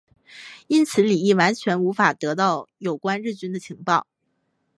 因此李镒完全无法得到有关日军的情报。